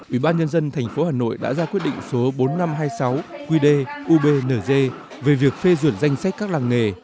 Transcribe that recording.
ủy ban nhân dân tp hà nội đã ra quyết định số bốn nghìn năm trăm hai mươi sáu qd ubnz về việc phê duyệt danh sách các làng nghề